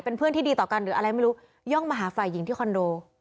เป็นเพื่อนที่ดีต่อกันย่องมาหาฝ่ายหญิงที่คอนโด